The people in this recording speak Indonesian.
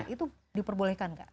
itu diperbolehkan gak